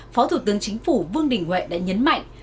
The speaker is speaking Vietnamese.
phó thủ tướng chính phủ vương đình huệ đã nhấn mạnh